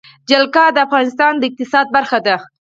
جلګه د افغانستان د اقتصاد برخه ده.